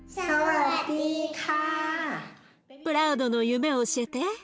プラウドの夢を教えて。